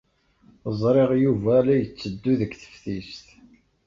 Ẓriɣ Yuba la yetteddu deg teftist.